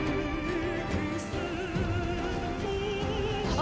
あ！